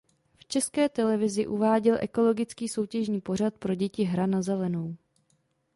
V České televizi uváděl ekologický soutěžní pořad pro děti "Hra na zelenou".